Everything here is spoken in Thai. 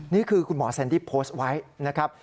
นี่คือคุณหมอเซ็นดี้โพสต์ไว้นะครับ